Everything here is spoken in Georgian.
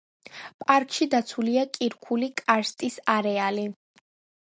პარკში დაცულია კირქვული კარსტის არეალი.